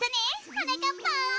はなかっぱん。